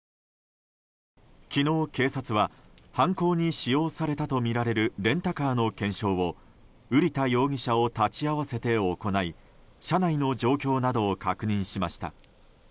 昨日、警察は犯行に使用されたとみられるレンタカーの検証を瓜田容疑者を立ち会わせて行い車内の状況などを確認しました。